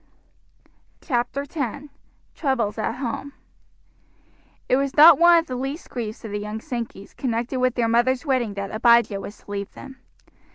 CHAPTER X: TROUBLES AT HOME It was not one of the least griefs of the young Sankeys connected with their mother's wedding that Abijah was to leave them.